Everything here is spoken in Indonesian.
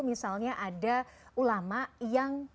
misalnya ada ulama yang